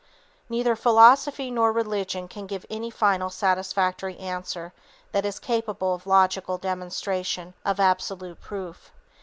Neither philosophy nor religion can give any final satisfactory answer that is capable of logical demonstration, of absolute proof.